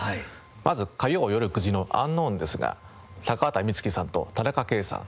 まず火曜よる９時の『ｕｎｋｎｏｗｎ』ですが高畑充希さんと田中圭さん